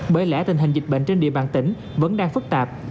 bởi lẽ tình hình dịch bệnh trên địa bàn tỉnh vẫn đang phức tạp